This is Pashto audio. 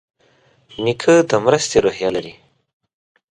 نیکه د مرستې روحیه لري.